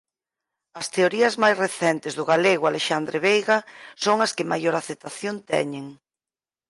As teorías máis recentes do galego Alexandre Veiga son as que maior aceptación teñen.